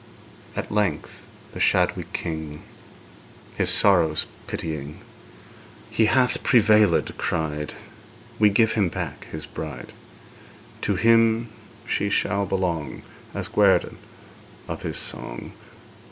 At length the shadowy king, His sorrows pitying, 'He hath prevailèd!' cried; 'We give him back his bride! To him she shall belong, As guerdon of his song.